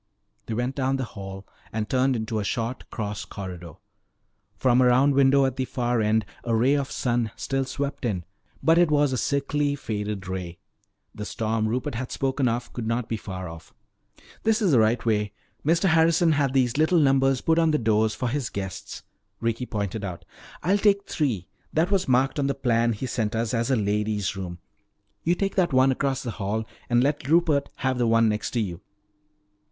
They went down the hall and turned into a short cross corridor. From a round window at the far end a ray of sun still swept in, but it was a sickly, faded ray. The storm Rupert had spoken of could not be far off. "This is the right way. Mr. Harrison had these little numbers put on the doors for his guests," Ricky pointed out. "I'll take 'three'; that was marked on the plan he sent us as a lady's room. You take that one across the hall and let Rupert have the one next to you."